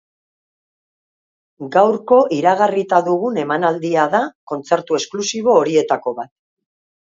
Gaurko iragarrita dugun emanaldia da kontzertu esklusibo horietako bat.